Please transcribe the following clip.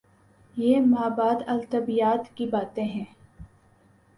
یہ مابعد الطبیعیات کی باتیں ہیں۔